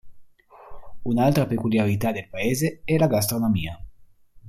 Un'altra peculiarità del paese è la gastronomia.